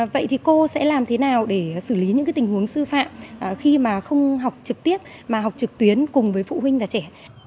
vậy thì cô sẽ làm thế nào để xử lý những tình huống sư phạm khi mà không học trực tiếp mà học trực tuyến cùng với phụ huynh và trẻ